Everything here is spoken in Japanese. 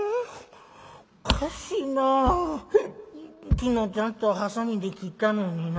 昨日ちゃんとはさみで切ったのにな。